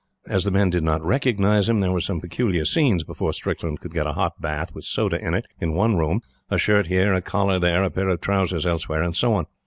As the men did not recognize him, there were some peculiar scenes before Strickland could get a hot bath, with soda in it, in one room, a shirt here, a collar there, a pair of trousers elsewhere, and so on.